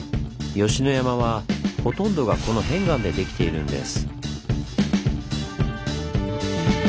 吉野山はほとんどがこの片岩でできているんです。